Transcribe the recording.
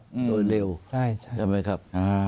โดยเร็วใช่ไหมครับ